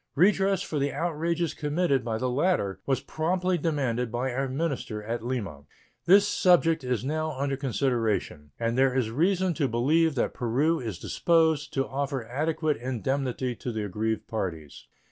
Redress for the outrages committed by the latter was promptly demanded by our minister at Lima. This subject is now under consideration, and there is reason to believe that Peru is disposed to offer adequate indemnity to the aggrieved parties.